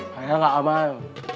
kayaknya gak amal